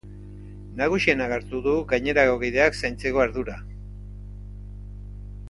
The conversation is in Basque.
Nagusienak hartu du gainerako kideak zaintzeko ardura.